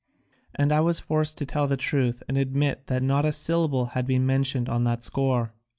And I was forced to tell the truth and admit that not a syllable had been mentioned on that score.